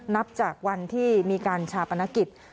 นับจากวันที่มีการชาปนกิจ